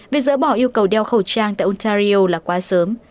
việc dỡ bỏ yêu cầu đeo khẩu trang tại ontario là quá sớm